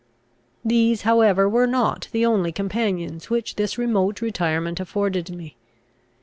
These however were not the only companions which this remote retirement afforded me.